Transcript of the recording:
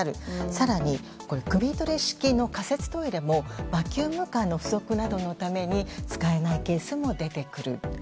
更に、くみ取り式の仮設トイレもバキュームカーなどの不足のために使えないケースも出てくる。